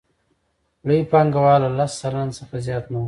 لوی پانګوال له لس سلنه څخه زیات نه وو